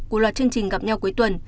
của loạt chương trình gặp nhau cuối tuần